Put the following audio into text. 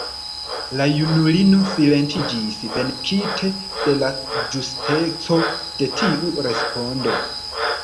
La junulino silentiĝis, venkite de la ĝusteco de tiu respondo.